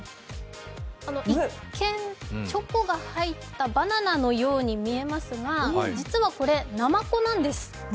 一見、チョコが入ったバナナのように見えますが実はこれ、ナマコなんです。